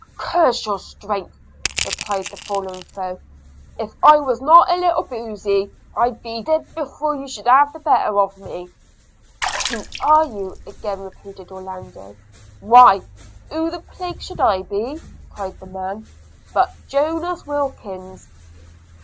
'Curse your strength!' replied the fallen foe; 'if I was not a little boozy, I'd be d – d before you should have the better of me.' 'Who are you?' again repeated Orlando. 'Why, who the plague should I be,' cried the man, 'but Jonas Wilkins?